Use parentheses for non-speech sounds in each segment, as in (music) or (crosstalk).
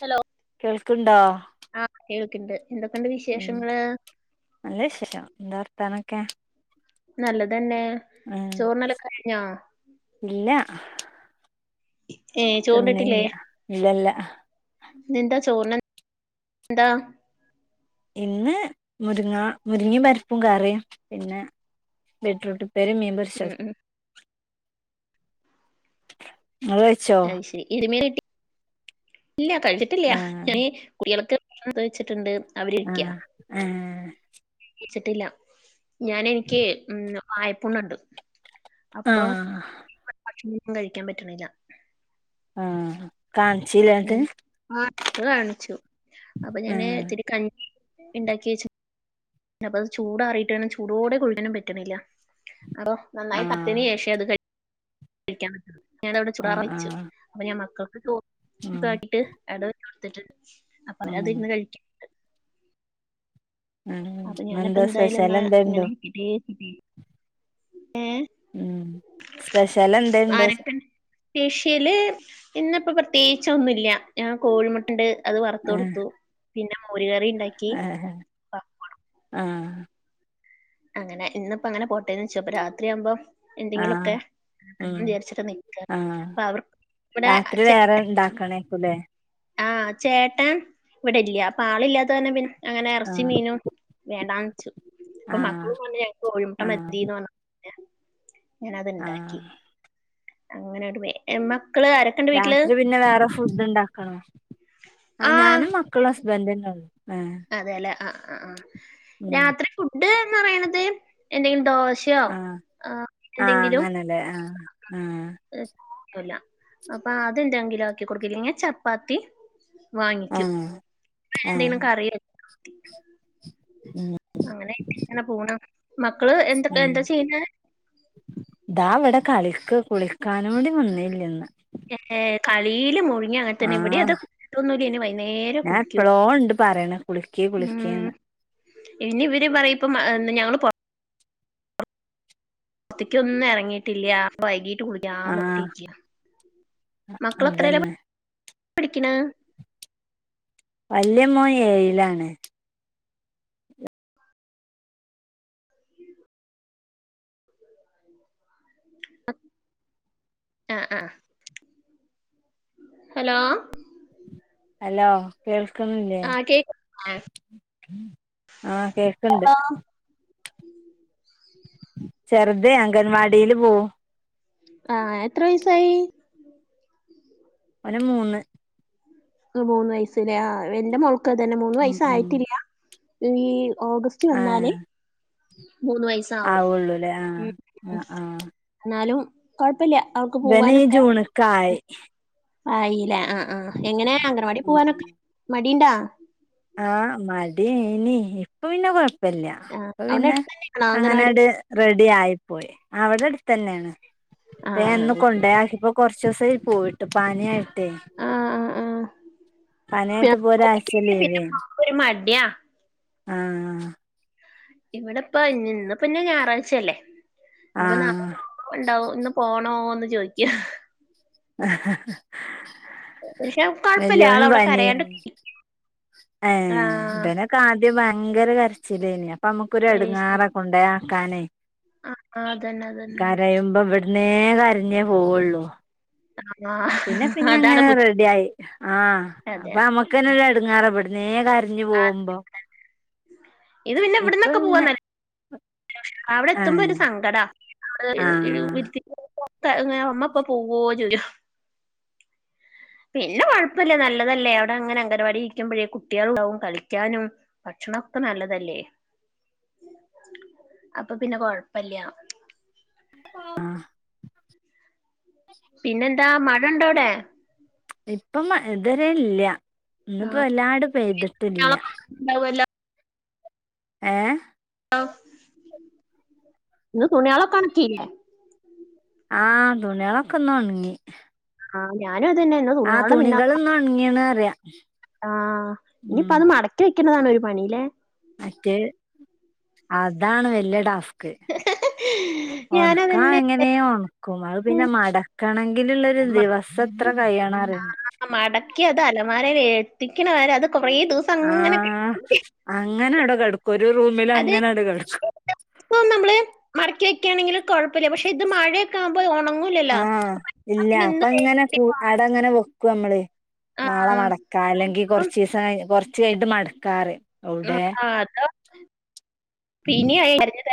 Hello കേൾക്കണ്ടോ ആഹ് കേൾക്കണ്ട് എന്തൊക്കെയുണ്ട് വിശേഷങ്ങള് നല്ല വിശേഷം എന്താ വർത്താനൊക്കെ നല്ലതന്നെ ആഹ ചോറിനലൊക്കെ കഴിഞ്ഞോ ഇല്ല ഏ ചോറിന്നിട്ടില്ലേ തിന്നില്ല ഇല്ലല്ല ന്നെന്താ ചോർന് എന്താ ഇന്ന് മുരിങ്ങ മുരിങ്ങയും പരിപ്പും കയറിയും പിന്നെ ബീട്രൂട്ട് പ്പേരിയും മീൻ പൊരി ഉം ഉം ആ അത് ശരി ഇരുമേൻ കിട്ടി ഇല്ല കഴിച്ചിട്ടില്ല ആഹ് ഞ കുളികളക്ക് (inaudible) ച്ചിട്ടുണ്ട് ആ ഏഹ് കഴിച്ചിട്ടില്ല ഞാൻ എനിക്ക് ഉം വായപ്പുണ്ണുണ്ട് അപ്പൊ ആഹ് ഭക്ഷണൊന്നും കഴിക്കാൻ പറ്റണില്ല ആഹ് കാണിച്ചിലെ അത് ന്നട്ട് ഞാൻ ആ (unintelligible) കാണിച്ചു അപ്പൊ ഞാന് ആഹ് ഇത്തിരി കഞ്ഞി ഇണ്ടാക്കി വെച്ച് അപ്പ അത് ചൂടാറിയിട്ടു വേണം ചൂടോടെ കുടിക്കാനും പറ്റണില്ല അപ്പൊ നന്നായി തണ്ത്തിന് ആഹ് ശേഷേ അത് കഴി കഴിക്കാൻ പറ്റുള്ളൂ ഞാനവിടെ ചുടാറാ ആഹ് വെച്ചു ആഹ് അപ്പൊ ഞാൻ മക്കൾക്ക് ചോ ഉം (unintelligible) താക്കിട്ട് അട കൊടുത്തിട്ടുണ്ട് അപ്പൊ അവര ഉം അതിരുന്ന് കഴിക്കും ഉം അപ്പൊ ഞാനപ്പ ഇന്നെന്താ എന്തായാലും സ്പെഷ്യൽ എന്ന എന്തേണ്ടോ ഇങ്ങനെ (inaudible) ഏഹ് ഉം സ്പെഷ്യൽ എന്തേണ്ടോയ്ച്ച ആരൊക്കെണ്ട് സ്പെഷ്യല് ഇന്ന് ഇപ്പോ പ്രത്യേകിച്ച് ഒന്നുംല്ല ഞാൻ കോഴിമുട്ടണ്ട് അത് വറുത്ത് കൊടുത്തു പിന്നെ മോര് കറി ഉണ്ടാക്കി ഏഹ് ആഹ് അങ്ങനെ ഇന്ന്പ്പോ അങ്ങനെ പോട്ടേന്ന് വെച്ച് അപ്പൊ രാത്രിയാകുമ്പം ആഹ് എന്തെങ്കിലൊക്കെ (unintelligible) ഉം വിചാരിച്ചിട്ട് നിക്ക ആഹ് അപ്പൊ അവർക്ക് ഇവിടെ രാത്രി വേറെ ഉണ്ടാക്കണേക്കുല്ലേ ആഹ് ചേട്ടൻ ഇവിടെ ഇല്ല അപ്പാളില്ലാത്ത കാരണം പിന്നെ അങ്ങനെ ഇറച്ചി ആഹ് മീനും വേണ്ടാന്ന് വെച്ചു അപ്പൊ മക്കള് പറഞ്ഞു ഞങ്ങക്ക് കോഴിമുട്ട ആഹ് മതിന്ന് പറഞ്ഞ് പറഞ് പിന്നെ ഞാന അത്ണ്ടാക്കി ആഹ് അങ്ങനങ്ങട്ട് വെ മക്കള് അര രാത്രി പിന്നെ വേറെ ഫുഡ് ഉണ്ടാക്കണോ ആഹ് ഞാനും മക് ക്കളും ഹസ്ബന്റ്ന്നുള്ളൂ ഏഹ് അതെല്ലേ ആഹ് ആഹ് ആഹ് രാത്രി ഫുഡ് എന്ന് പറയണത് എന്തെങ്കിലും ദോശ് ആഹ് ആഹ് അങ്ങനെല്ലേ ആഹ് ആഹ് വേ (unintelligible) ക്കുല്ല അപ്പൊ അതെന്തെങ്കിലും ആക്കി കൊടുക്കും ഇല്ലെങ്കി ചപ്പാത്തി വാങ്ങിക്കും ആഹ് ആഹ് എന്തെങ്കിലും കറിയ ഉം അങ്ങനെക്കിങ്ങനെ പോണ് മക്കള് എന്തൊ എന്താ ചെയ്യുന്നെ ദാ ഇവിടെ കളിക്ക് കുളിക്കാനോടി വന്നില്ല്യ ഇന്ന് എ ഏഹ് കളിയില് മുഴ് ഇനി അങ്ങനെത്തന്നെ ഇവിടെ അത് ആഹ് (unintelligible) ത്തോന്നൂല ഇനി വൈകുന്നേരേ ഞാൻ കുളിക്കൂള്ളൂ എപ്പളോ ഉണ്ട് പറയണ കുളിക്ക് ഉം കുളിക്ക്ന്ന് ഇനി ഇവര് പറയും ഇപ്പ മ ഏഹ് ഞങ്ങള് പൊറത് ത്തേക്കൊന്നും എറങ്ങിട്ടില്യാ വൈകീട്ട് കുളി യാന്ന് ആഹ് പറഞ്ഞിട്ടിരിക്യാ മക്കളെത്രേലാ അതന്നെ പഠിക്കണെ വല്യ മോൻ ഏയിലാണ് ആഹ് ആഹ് ഹലോ ഹലോ കേൾക്കുന്നില്ലേ ആ കേക്ക് ആഹ് കേക്ക്ണ്ട് ചെറ്ത് അംഗൻ വാടിയില് പോകും ആഹ് എത്ര വയസായി ഓന് മൂന്ന് മൂന്ന് വയസല്ലേ ആഹ് എന്റെ മോൾക്ക് അത് തന്നെ മൂന്ന് ഉം ഉം വയസ്സായിട്ടില്യാ ഈ ഓഗസ് റ്റ് വന്നാലേ മൂന്ന് വയസ് ആവുള്ളൂ ല്ലേ ആഹ് ആഹ് ആഹ് എന്നാലും കൊഴപ്പില്യാ അവൾക്ക് പോവാനൊക്കെ മൂന്ന്ക്കായി ആയില്ലേ ആഹ് ആഹ് എങ്ങനെ അംഗനവാടി ഉം പോവാനൊക്കെ ഉം മടിണ്ടാ ആഹ് മടി അയ്നി ഇപ്പ പിന്നെ കൊഴപ്പില്യാ ആ ഇപ്പ അവിടെ പിന്നെ അടുത്ത് തന്നെയാണോ അംഗനവാടി അങ്ങനെട് റെഡി ആയിപ്പോയി അവിടെ അടുത്തന്നെണ്. ആ എ ഇന്ന് കൊണ്ടേയാക്കി പ്പോ കൊർച്ചീസയ് പോയിട്ട് പാനിയയിട്ടേ. ആ ആ ആ പനിയായിട്ട് പോ ഒരാഴ്ച പിന്നെ ലീവയ്നി ഒരു മടിയാ ആഹ് ഇവടെപ്പ ന് ഇന്ന് പിന്നെ ഞായറാഴ്ചല്ലേ ഇന്ന് ഇപ്പോ നാ ആഹ് ഉണ്ടാവും ന്നും പോണോന്ന് ചോയ്ക്ക അ ആഹ് ആഹ് പക്ഷെ കൊഴ്‌പ്പല്ല ആളവടെ കരയാണ്ട് പനിയേനി ഒക്കെയിരിക്കും. ഏ ഇവനെ ആദ്യം ഭയങ്കര കരച്ചില്ലേനി അപ്പൊ നമുക്കൊരു അയ്ശരി എടങ്ങേറാകൊണ്ടയാ ക്കാനേ ആ അതന്നെ അതന്നെ കരയുമ്പം ഇവട്ന്നേ കരഞ്ഞേ പോവുള്ളൂ ആഹ് പിന്നെ പിന്നെ ഇങ്ങനെ റെഡി ആയി ആഹ് അതെ അപ്പമ്മ ഇക്കനെല്ല എടങ്ങേറാ ഇവട്ന്നേ കരഞ്ഞു ആ പോകുമ്പോ. ഇത് ഇപ്പൊ പിന്നെവ്ന്നൊക്കെ പിന്നെ പോവാന്നേ ഏ അവടെത്തുമ്പോ ഒരു സങ്കട (unintelligible) ആ (unintelligible) അമ്മ ഇപ്പ പോവോ ചോയ്ക്ക പിന്നെ കൊഴപ്പല്ല നല്ലതല്ലേ അവടെ ങ്ങനെ അംഗൻവാടി ഇരിക്കുമ്പഴേ കുട്ടിയാളുണ്ടാവും കളിക്കാനും. ഭക്ഷണൊക്കെ നല്ലതല്ലേ അപ്പൊ പിന്നെ കൊഴപ്പല്ല (unintelligible) പിന്നെന്താ മഴണ്ടോ അവ്ടെ ഇപ്പം മഴ ഇതുവരെ ഇല്യ ഇന്നിപ്പോ എല്ലാടും പെയ്തിട്ടില്ല ഉണ്ടാവല്ല ഏ (unintelligible) ഇന്ന് തുണിയാളൊക്കോഉണക്കി ആഹ് തുണിയാളക്കൊ ഇന്ന് ഒണങ്ങി ആഹ് ഞാനു അതന്നെ ന്ന് തുണിയാളെ പിന്ന ഇന്നൊണങ്ങീ ന്നറിയ ആഹ് ഇനിയിപ്പ അത് മടക്കി വെക്ക്ണതാണ് ഒരു പണില്ലേ മറ്റേ അതാണ് വല്ല്യ ടാസ്ക് ഉം ഒണക്കാ എങ്ങനെയ ഉണക്കും പിന്നെ മടക്കണങ്കിലുള്ള ഒരു മ- ദിവസം എത്ര കഴിയണറിയോ. മടക്കി അത് അലമാരെ ലെത്തിക്കണവരെ അത് കൊറേ ദിവ ആഹ് അങ്ങനെട കടക്കും ഒരു റൂമിൽ അങ്ങനെട് കടക്കും ഇപ്പോ നമ്മള് മടക്കി വെക്കാണെങ്കില് കൊഴപ്പല്ല പക്ഷെ ഇത് മഴ ആഹ് ഇല്ല പിന്നെ അപ്പൊ ഇന്ന് ഇങ്ങനെ കൂ അടെ അങ്ങനെ വെക്കും നമ്മള് ആ നാളെ മടക്കാ അല്ലെങ്കി അപ്പം കൊറച്ചിസം കഴി കൊർച്ച് കഴിഞ്ഞിട്ട് മടക്കാനറിം. ആഹ് അത പിന്ന (unintelligible)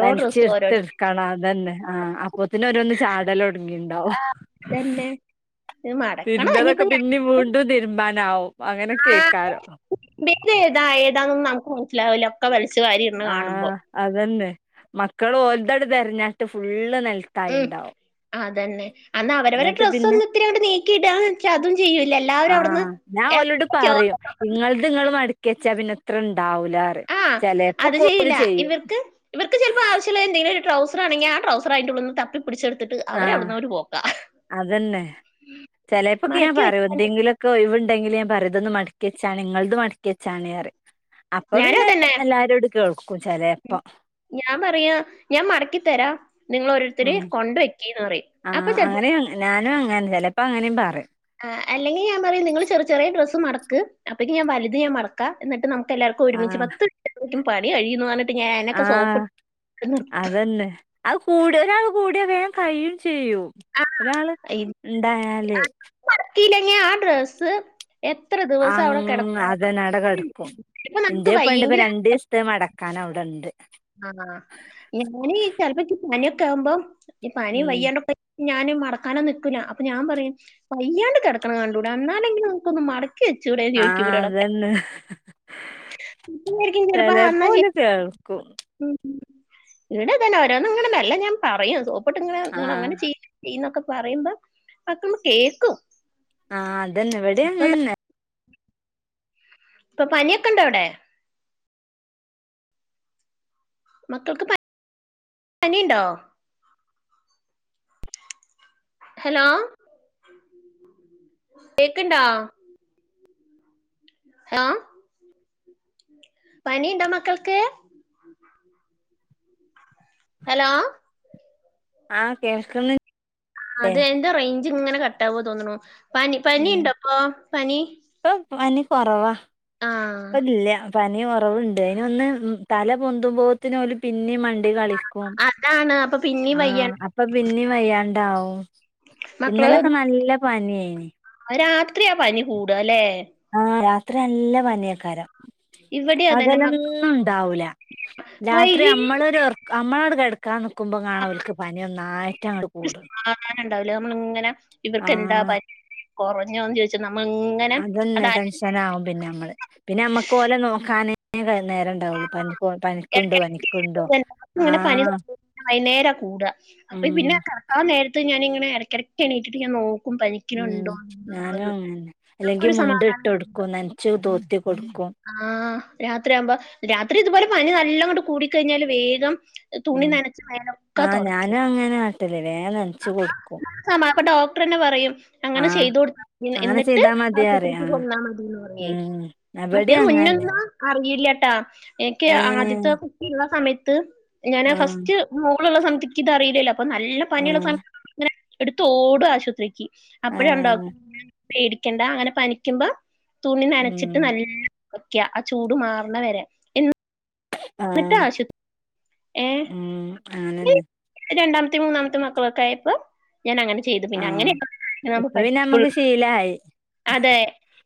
വലിച്ചെർത്ത്ട്ക്കണം അതന്നെ ആ അപ്പത്തിന് ഒരോന്ന് ചാടലൊ ന്ണ്ടോ തന്നെ ഇത് മടക്കണം തിര്മ്പിയെതൊക്കെ ഇനിയിപ്പോ ഞാൻ പിന്നിം വീണ് തും തിര്മ്പാനാവും അങ്ങനെ ക്കേക്കാരം വേറെ എഴ്താ ഏതാണന്നും നമുക്ക് മനസ്സിലാവൂല. ഒക്ക വലിച്ചു വാരി ഇടുന്ന കാണുമ്പോ ആഹ് അതന്നെ മക്കള് ഓൽദ് ട്ട് തെര് ഞ്ഞാണ്ട് ഫുള്ള് ഉം നെൽത്തായിണ്ടാവും. അതന്നെ അന്ന് അവരവരെ ന്നട്ട് ഡ്രസ് പിന്നെ ഒന്നു ഇത്തിരിയങ്ങട്ട് നീക്കിടാൻ ചേ അതും ചെയ്യൂല്ല എല്ലാവരും അവ്ട്ന്ന് ആഹ് ഞാൻ ഓലോട് പറയും (unintelligible) ഇങ്ങൾത് ങ്ങള് മടക്കിയെച്ചാ പിന്നെത്ര ഇണ്ടാവൂലാറി ആ ചെലേപ്പോ കോല് ചെയ്യും ഇവര്ക്ക് ചെൽപ്പോ ആവശ്യല്ല എന്തെങ്കിലും ഒരു ട്രൗസർ ആണെങ്കി ആ ട്രൗസർ അയ്ൻ്റെള്ളുന്ന് ത ത് പിടിച്ചെടുത്തിട്ട് ആഹ് അവരവ്ട്ന്നൊരു പോക്കാ അതന്നെ ചെലേപ്പൊക്കെ ഞാ പറയും എന്തെങ്കിലും നിക്ക് ഒഴിവുണ്ടെങ്കിൽ പർദ്ദ ഒന്ന് മടക്കി വെച്ചാണി ഇങ്ങടെ മടക്കി വെച്ചാണിന്ന് പറഞ്ഞു. അപ്പൊ ഞാനും പിന്നെ അതന്നെ എല്ലാരോട് കേൾക്കും ചെലേപ്പോ. ഞാൻ പറയാ ഞാൻ മടക്കിത്തരാം നിങ്ങൾ ഓരോരുത്തര് ഉം കൊണ്ട് വെക്കിന്ന് പറയും അപ്പൊ ആഹ് ചെർക്കാ അങ്ങനെ ഞാനും അങ്ങനെ ചിലപ്പോ അങ്ങനെയും പറയും. ആഹ് അല്ലെങ്കിൽ ഞാൻ പറയും നിങ്ങള് ചെറു ചെറിയ ഡ്രസ്സ്‌ മടക്ക് അപ്പോഴത്തേക്ക് ഞാൻ വലുത് ഞാൻ മട ക്കാ എന്നിട്ട് നമുക്ക് എല്ലാവർക്കും ഒരുമിച്ച് ആഹ് പത്ത് മിനിറ്റ് എടുക്കുമ്പഴത്തേക്ക് പണി കഴിയും എന്നുപറഞ്ഞു. ഞാനോക്കെ സോപ്പിട്ട് ഇവിടെ നിർത്തൂ. ഇന്ന് അത് കൂടുതലാ കൂടിയ വേഗം കഴിയും ചെയ്യും, ഒരാള് ഉണ്ടായാലെ. മടക്കി ഇല്ലെങ്കിൽ ആഹ് ഡ്രസ്സ്. എത്ര ഇത് അങ്ങ് അതെന്നെ അവടെ കിടക്കും, ഇപ്പൊ നമുക്ക് എന്റെ ഇപ്പൊയുണ്ട് വയ്യെങ്കിൽ രണ്ട് ചു ഇത് മടക്കാൻ അവിടെയുണ്ട്. ആഹ് ഞാന് ചിലപ്പോ പനിയൊക്കെ ആവുമ്പോ ഈ പനി ഉം വയ്യാണ്ടൊക്കെ. ഞാന് മടക്കാനോന്നും നിക്കൂല, അപ്പൊ ഞാൻ പറയും വയ്യാണ്ട് കിടക്കണേ കണ്ടൂടെ എന്നാലല്ലെങ്കിൽ നിങ്ങൾക്കൊന്ന് മട ക്കി വെച്ചൂടെന്ന് ചോദിക്കും ആഹ് ഇവരോടൊക്കെ. അതന്നെ പിന്നെ ആയിരിക്കും ചിലപ്പോ അമ്മ ചെല്ലും. ക്കു ഉം ഇവിടെ പിന്നെ ഓരോന്നങ്ങട് മെല്ലെ ഞാൻ പറയും സോപ്പിട്ട് ഇങ്ങനെ നിങ്ങള് ആഹ് അങ്ങനെ ചെയ്യാ. ചെയ്യുന്നൊക്കെ പറയുമ്പോ മക്കളെ കേക്കും. ആഹ് അതെന്നെ ഇവിടെ ഇപ്പൊ അങ്ങനെ ദാ തന്നെ. ഇപ്പൊ പനിയൊക്കെ ഉണ്ടോ അവിടെ? മക്കൾക്ക് പനിയുണ്ടോ? ഹലോ കേക്കുണ്ടോ? ആഹ് പനിയുണ്ടോ മക്കൾക്ക്. ഹലോ ആഹ് കേൾക്കേണ്. അത് എന്റെ റേഞ്ച് ഇങ്ങനെ കട്ട്‌ ആവോ തോന്നുന്നു, പനി പനി ഉം ഉണ്ടോ അപ്പൊ പനി? ഇപ്പൊ പനി കൊറവാ ആഹ് ഇപ്പൊ ഇല്ല്യാ. പനി കുറവുണ്ട്, അതിനൊന്ന് ഉം തല പൊന്തുമ്പോത്തിന് ഓലെ പിന്നെ മണ്ണിൽ കളിക്കും. അതാണ് അപ്പൊ പിന്നെയും വയ്യത്. അപ്പ പിന്നെയും വയ്യാണ്ടാവും, മക്കള് ഇന്നലൊക്കെ നല്ല പനിയിന്. രാത്രിയാ പനി കൂടുവാ അല്ലെ. ആഹ് രാത്രി നല്ല പനിയക്കാരം. ഇവിടെ അതന്നെ മ പകലൊന്നും ഉണ്ടാവൂല, രാത്രി വൈകി നമ്മള് ഒരു ഉറക്കം. നമ്മളങ്ങോട് കിടക്കാൻ നിൽക്കുമ്പോ കാണും ഓലെക്ക് പനി നന്നായിട്ട് അങ്ങോട് കൂടും. പകല് ഉണ്ടാവില്ലേ നമ്മള് ഇങ്ങനെ. കുട്ടികൾക്കെന്താ ആഹ് പനി കുറഞ്ഞോന്ന് ചോദിച്ചു നമ്മള് ഇങ്ങനെ അത്. അങ്ങനെ ആവും പിന്നെ നമ്മള്, പിന്നെ നമുക്ക് ഓലെ നോക്കാന് നേരം ഉണ്ടാവുള്ളൂ. പനികോ പനിക്കുണ്ട് പനിക്കുണ്ടോ ആഹ്. വൈകുന്നേരം കൂടുക്കാ അപ്പ പിന്നെ ഉം കിടക്കാൻ നേരത്ത് ഞാനിങ്ങനെ ഇടയ്ക്കിടയ്ക്ക് എണീറ്റിട്ട് ഞാൻ നോക്കും പയ്യെ. ഉം ഞാനും അല്ലെങ്കിൽ നമുക്കൊരു സമാ മുണ്ട് ഇട്ട് കൊടുക്കും നനച്ച് തോത്തി കൊടുക്കും. ആഹ് രാത്രിയാവുമ്പോ രാത്രി ഇതുപോലെ പനി നല്ല കൊണ്ട് കൂടി കഴിഞ്ഞാല് വേഗം. തുണി ഉം നനച്ച് മേലൊക്കെ ആഹ് തുടയ്ക്കും ഞാനും അങ്ങനെ കാട്ടല് വേം നനച്ചു അതാ കൊടുക്കും നല്ലത്. അന്നാ അപ്പൊ ഡോക്ടർ തന്നെ പറയും അങ്ങനെ ആഹ് ചെയ്ത് കൊടുത്താൽ മതിയെന്ന്, അങ്ങനെ എന്നിട്ട് ചെയ്താ മതി പറയും ആശുപത്രിക്ക് ആഹ് പോന്നാൽ മതിന്ന് എന്നുപറയും. ഉം ഇവടിം മറ്റേതോ അങ്ങന്നെ മുന്നെന്ന് അറിയില്ലാട്ടാ എനിക്ക് ഏ ആദ്യത്തെ കുട്ടിയുള്ള സമയത്ത് ഞാന് ആ ഫസ്റ്റ്. മോളുള്ള സമയത്തക്ക് ഇത് അറിയില്ലല്ലോ അപ്പൊ നല്ല ആ പനിയുള്ള സമയത്ത് ഇങ്ങനെ എടുത്ത് ഓടുവാ ആശുപത്രിക്ക് ആ അപ്പോഴും ഉണ്ടും പേടിക്കണ്ട അങ്ങനെ പനിക്കുമ്പോ തുണി നനച്ചിട്ട് ഉം നല്ല ഒക്കെയ ആ ചൂട് മാറണ വരെ ആ ന്നിട്ടാവശ്യത്ത് ഏഹ് ഉം അങ്ങനെന്നെ (unintelligible) രണ്ടാമത്തെം മൂന്നാമത്തെം മക്കളൊക്കായപ്പോ ഞാനങ്ങനെ ചെയ്ത് ആ പിന്നെ അങ്ങനെ (inaudible) നാമ്പ ഇപ്പൊ പിന്നെ പഠിക്കൊൾ നമ്മക്ക് ശീലായി അതേ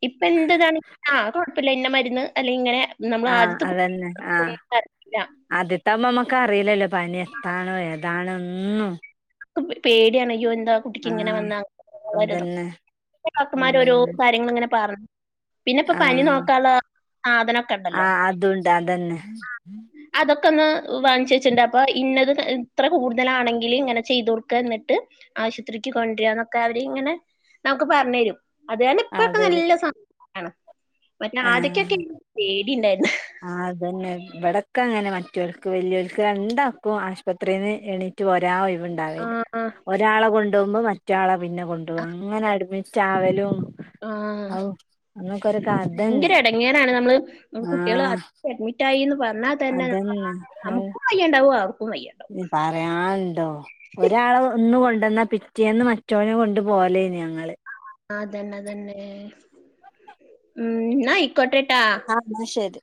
ഇപ്പ എന്ത്താണ് ആഹ് അത് കൊഴപ്പില്ലാരുന്നു മരുന്ന് അല്ലെങ്കി ഇങ്ങനെ നമ്മൾ ആഹ് ആദ്യത്തെ അതന്നെ ആഹ് കുട്ടിക്കൊന്നും അറിയില്ല ആദ്യത്താ മോ നമ്മക്കറിയില്ലല്ലോ പനി (unintelligible) ഒന്നും പേടിയാണയ്യോ എന്താ ആ കുട്ടിക്കിങ്ങനെ വന്നാ ഓരതും അതന്നെ (unintelligible) ഡോക്ടർമാരോരോ ഉം കാര്യങ്ങളിങ്ങനെ പറഞ്ഞ് പിന്നെപ്പോ ആ പനി നോക്കാള്ള ആ സാധനൊക്കെണ്ടല്ലോ അതുണ്ട് അതന്നെ ആഹ് അതൊക്കെ ഒന്ന് വാങ്ങിച്ച് വെച്ചിണ്ട് അപ്പൊ ഇന്നത് ഇത്ര കൂടുതലാണെങ്കില് ഇങ്ങനെ ചെയ്ത് കൊടുക്ക എന്നിട്ട് ആശുത്രിക്ക് കൊണ്ടരാന്നൊക്കെ അവര് ഇങ്ങനെ നമുക്ക് പറഞ്ഞ് തരും അത് കാരണിപ്പഴൊക്ക അതൊരു നല്ല (unintelligible) മറ്റേ ആദ്യക്കൊക്കെ എനിക്ക്‌ പേടി ഇണ്ടായിരുന്ന് ആഹ് അതന്നെ ഇവിടൊക്കെ അങ്ങനെ മാറ്റോൽക്ക് വല്ല്യോൽക്ക് രണ്ടാക്കും ആശുപത്രീന്ന് എണീറ്റ് പോരാൻ ഒയിവ് വ്ണ്ടാവേ ഇല്ല ആഹ് ഒരാളെ കൊണ്ടോവുമ്പോ മറ്റെയാളെ പിന്നെ കൊണ്ടോവും അങ്ങനെ അഡ്മിറ്റാവലും ആഹ് ഔ നിങ്ങൾക്ക് ഒരു കാരണ് ഭയങ്കര എടങ്ങോറാണ് നമ്മള് ഉം കുട്ടികള് ആഹ് ആശു ത്രി അഡ്മിറ്റായീന്ന് പറഞ്ഞാ തന്നെ നമ്മ അതന്നെ ആകെ നമ്ക്കും വയ്യാണ്ടാവും അവർക്കും വയ്യ (unintelligible) പറയാന്ണ്ടോ ഒരാള അ് ഇന്ന് കൊണ്ടന്നാ പിറ്റേന്ന് മറ്റോനെ കൊണ്ട് പോവെലേന് ഞങ്ങള് ആഹ് അതന്നെ അതന്നെ ഉം ന്നാ ആയിക്കോട്ടേട്ടാ അന്നാ ശരി